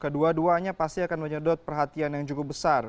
kedua duanya pasti akan menyedot perhatian yang cukup besar